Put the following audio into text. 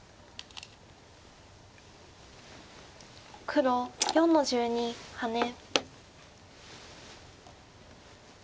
黒４の十二ハネ。